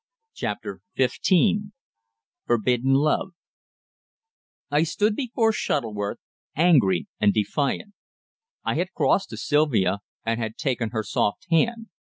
CHAPTER FIFTEEN FORBIDDEN LOVE I stood before Shuttleworth angry and defiant. I had crossed to Sylvia and had taken her soft hand.